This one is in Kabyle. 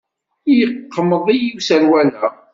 Yeqmeḍ-iyi userwal-a.